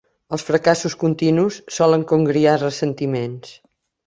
Els fracassos continus solen congriar ressentiments.